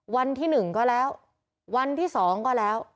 วันที่หนึ่งก็แล้ววันที่สองก็แล้ว